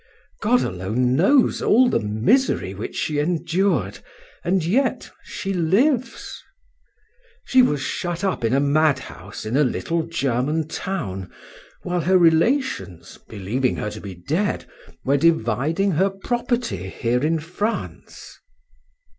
God alone knows all the misery which she endured, and yet she lives. She was shut up in a madhouse in a little German town, while her relations, believing her to be dead, were dividing her property here in France.